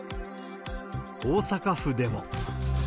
大阪府でも。